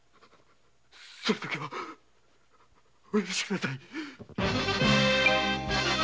それだけはお許しください。